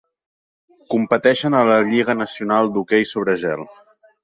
Competeixen a la lliga nacional d'hoquei sobre gel.